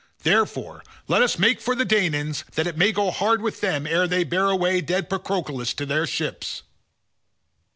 Therefore let us make for the Danaans, that it may go hard with them ere they bear away dead Patroclus to the ships."